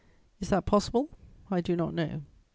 Is that possible? I do not know.